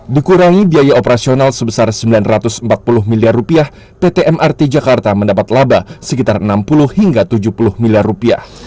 dikurangi biaya operasional sebesar sembilan ratus empat puluh miliar rupiah pt mrt jakarta mendapat laba sekitar enam puluh hingga tujuh puluh miliar rupiah